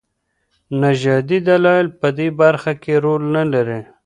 نژادي دلايل په دې برخه کي رول نلري.